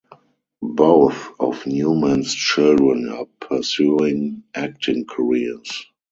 Both of Newman's children are pursuing acting careers.